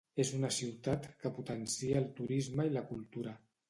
És una ciutat que potencia el turisme i la cultura.